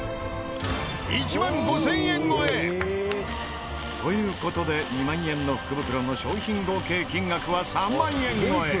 １万５０００円超え！という事で２万円の福袋の商品合計金額は３万円超え。